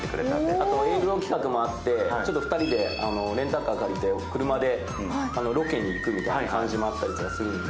あと映像企画もあって、２人でレンタカーを借りて車でロケに行くみたいな感じもあったりするんで。